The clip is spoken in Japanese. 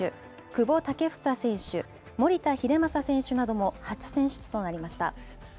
久保建英選手、守田英正選手なども初選出となりました。